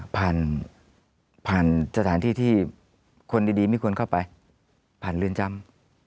ผ่านผ่านสถานที่ที่คนดีไม่ควรเข้าไปผ่านเรือนจำ